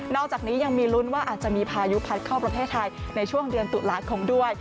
อกจากนี้ยังมีลุ้นว่าอาจจะมีพายุพัดเข้าประเทศไทยในช่วงเดือนตุลาคมด้วย